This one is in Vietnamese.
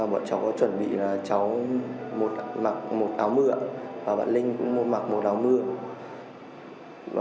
bọn cháu có chuẩn bị là cháu mặc một áo mưa và bạn linh cũng mặc một áo mưa